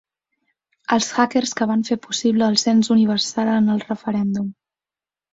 Els ‘hackers’ que van fer possible el cens universal en el referèndum.